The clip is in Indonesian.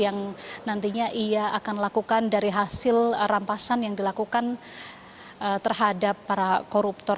yang nantinya ia akan lakukan dari hasil rampasan yang dilakukan terhadap para koruptor